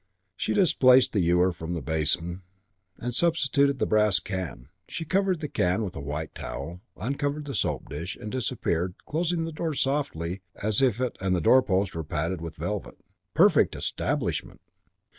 She displaced the ewer from the basin and substituted the brass can. She covered the can with a white towel, uncovered the soap dish, and disappeared, closing the door as softly as if it and the doorpost were padded with velvet. Perfect establishment!